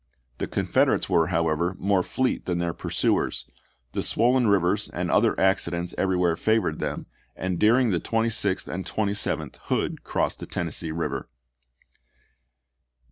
The Confederates were, however, more fleet than their pursuers; the swollen rivers and other accidents everywhere favored them, and during the 26th and 27th Hood crossed the Tennessee Eiver.